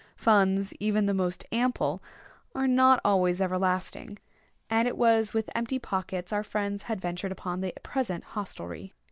Funds even the most ample, are not always everlasting: and it was with empty pockets our friends had ventured upon the present hostelrie.